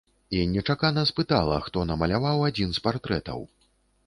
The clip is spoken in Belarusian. І нечакана спытала, хто намаляваў адзін з партрэтаў.